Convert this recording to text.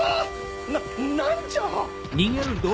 なんじゃ？